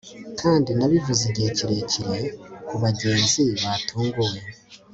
kandi, nabivuze igihe kirekire kubagenzi batunguwe